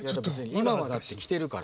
いまはだってきてるから。